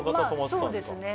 そうですね